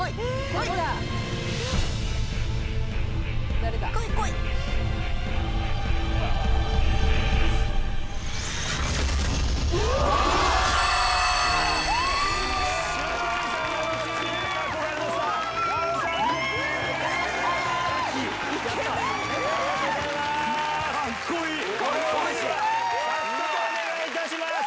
早速お願いいたします。